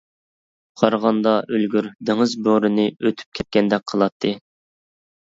قارىغاندا ئۆلگۈر دېڭىز بورىنى ئۆتۈپ كەتكەندەك قىلاتتى.